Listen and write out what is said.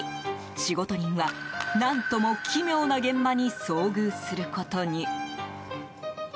仕事人は、何とも奇妙な現場に遭遇することに。